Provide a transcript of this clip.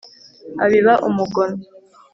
Abiba umugono